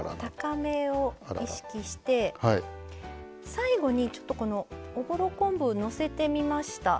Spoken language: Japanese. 最後にちょっとこのおぼろ昆布をのせてみました。